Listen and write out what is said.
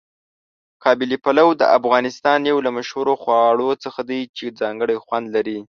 قابلي پلو د افغانستان یو له مشهورو خواړو څخه دی چې ځانګړی خوند لري.